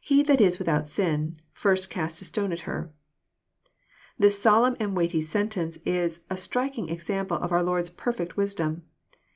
[He that is without sin. ..first cast a stone at her."] This solemn and weighty sentence is a striking example of our Lord's perfect wisdom.